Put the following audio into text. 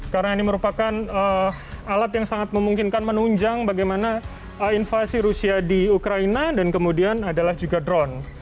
karena ini merupakan alat yang sangat memungkinkan menunjang bagaimana invasi rusia di ukraina dan kemudian adalah juga drone